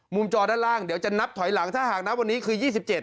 จอด้านล่างเดี๋ยวจะนับถอยหลังถ้าหากนับวันนี้คือ๒๗